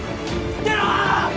捨てろー！